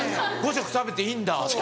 「５食食べていいんだ」って。